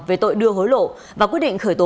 về tội đưa hối lộ và quyết định khởi tố